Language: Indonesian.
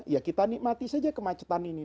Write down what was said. ya kita nikmati saja kemacetan ini